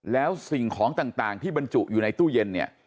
แล้วสิ่งของต่างที่บรรจุอยู่ในตู้เย็นเนี่ย